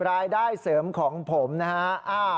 รายได้เสริมของผมนะฮะ